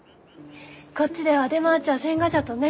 こっちでは出回っちゃあせんがじゃとね。